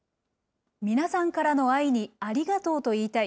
皆さんからの愛にありがとうと言いたい。